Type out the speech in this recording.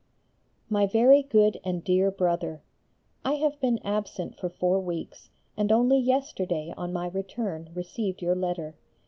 _] MY VERY GOOD AND DEAR BROTHER, I have been absent for four weeks, and only yesterday on my return received your letter.